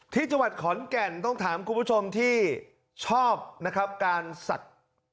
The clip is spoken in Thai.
ที่จังหวัดขอนแก่นต้องถามคุณผู้ชมที่ชอบนะครับการศักดิ์